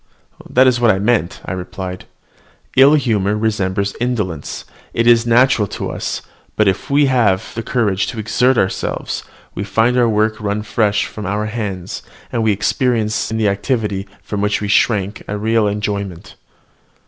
"That is what I meant," I replied; "ill humour resembles indolence: it is natural to us; but if once we have courage to exert ourselves, we find our work run fresh from our hands, and we experience in the activity from which we shrank a real enjoyment."